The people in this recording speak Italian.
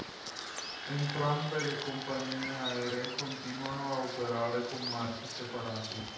Entrambe le compagnie aeree continuano a operare con marchi separati.